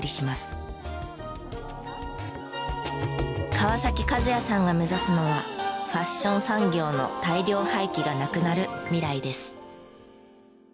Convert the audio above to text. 川崎和也さんが目指すのはファッション産業の大量廃棄がなくなる未来です。